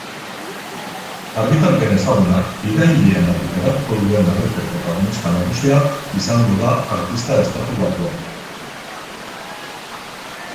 Argitalpen ezagunak irailean argitaratuko duen aleko protagonista nagusia izango da artista estatubatuarra.